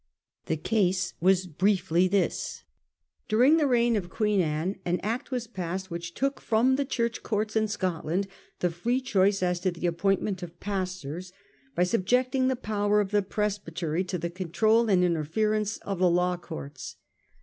The case was briefly this. During the reign of Queen Anne an Act was passed which took from the Church courts in Scotland the free choice as to the appointment of pastors by subjecting the power of the presbytery to the control and interference of the law courts.